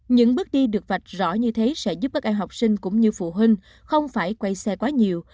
những bước đi được vạch rõ như thế sẽ giúp các em học sinh cũng như phụ huynh không phải quay xe quá nhiều